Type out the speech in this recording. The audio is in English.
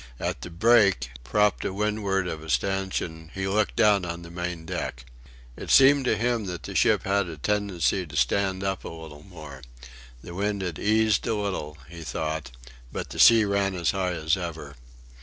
At the break, propped to windward of a stanchion, he looked down on the main deck. It seemed to him that the ship had a tendency to stand up a little more. The wind had eased a little, he thought, but the sea ran as high as ever.